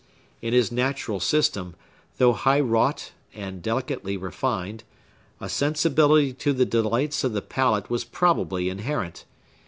In his natural system, though high wrought and delicately refined, a sensibility to the delights of the palate was probably inherent.